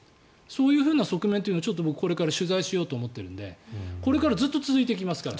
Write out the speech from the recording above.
そういう側面ちょっと僕、これから取材しようと思っているのでこれからずっと続いていきますから。